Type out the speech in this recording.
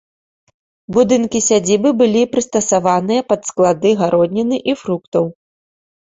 Будынкі сядзібы былі прыстасаваныя пад склады гародніны і фруктаў.